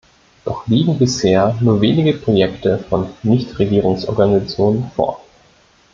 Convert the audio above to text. Doch liegen bisher nur wenige Projekte von Nichtregierungsorganisationen vor.